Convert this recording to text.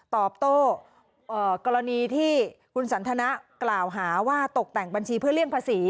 ตอบโต้กรณีที่คุณสันทนะกล่าวหาว่าตกแต่งบัญชีเพื่อเลี่ยงภาษี